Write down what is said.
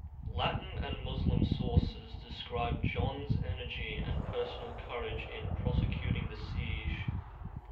Latin and Muslim sources describe John's energy and personal courage in prosecuting the siege.